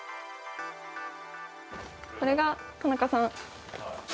これが田中さん。